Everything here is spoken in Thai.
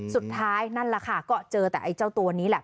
นั่นแหละค่ะก็เจอแต่ไอ้เจ้าตัวนี้แหละ